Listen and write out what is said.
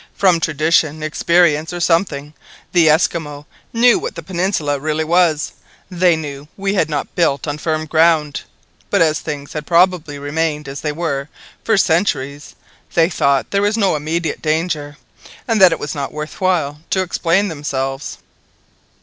From tradition, experience, or something, the Esquimaux knew what the peninsula really was, they knew we had not built on firm ground. But as things had probably remained as they were for centuries, they thought there was no immediate danger, and that it was not worth while to explain themselves."